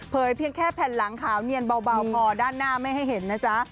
เพียงแค่แผ่นหลังขาวเนียนเบาพอด้านหน้าไม่ให้เห็นนะจ๊ะ